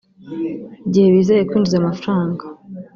igihe bizeye kwinjiza amafaranga